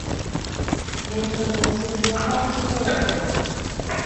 Ekyo nze suubira kyali kirooto.